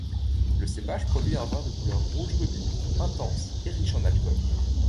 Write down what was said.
Le cépage produit un vin de couleur rouge rubis, intense et riche en alcool.